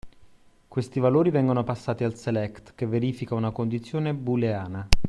Questi valori vengono passati al Select che verifica una condizione booleana.